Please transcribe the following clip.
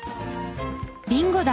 「ビンゴだ！」